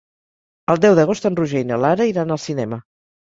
El deu d'agost en Roger i na Lara iran al cinema.